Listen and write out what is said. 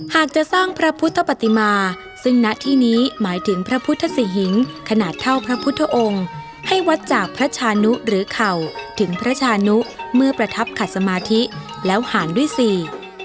หากจะสร้างพระพุทธปฏิมาซึ่งณที่นี้หมายถึงพระพุทธศรีหิงขนาดเท่าพระพุทธองค์ให้วัดจากพระชานุหรือเข่าถึงพระชานุเมื่อประทับขัดสมาธิแล้วหารด้วยสี่